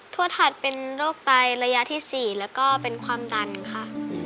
วดถัดเป็นโรคไตระยะที่๔แล้วก็เป็นความดันค่ะ